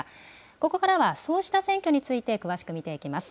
ここからは、そうした選挙について詳しく見ていきます。